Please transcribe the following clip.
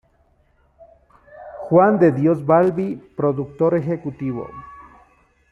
Juan de Dios Balbi: Productor ejecutivo.